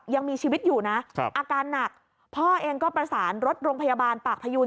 ยังมีชีวิตอยู่นะอาการหนักพ่อเองก็ประสานรถโรงพยาบาลปากพยูน